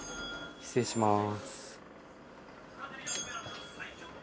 失礼します。